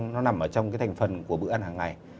nó nằm ở trong cái thành phần của bữa ăn hàng ngày